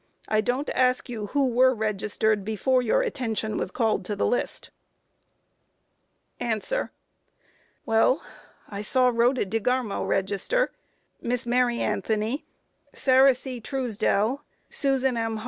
I don't ask you who were registered before your attention was called to the list. A. Well, I saw Rhoda DeGarmo register; Miss Mary Anthony, Sarah C. Truesdell, Susan M.